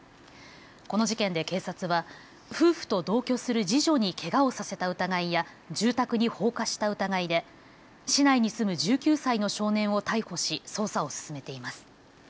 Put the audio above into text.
この事件で警察は夫婦と同居する次女にけがをさせた疑いや住宅に放火した疑いで市内に住む１９歳の少年を逮捕し捜査を進めています。